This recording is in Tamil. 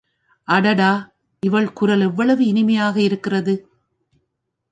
அடடா இவள் குரல் எவ்வளவு இனிமையாக இருக்கிறது.